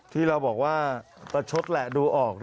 ที่เราบอกว่าประชดแหละดูออก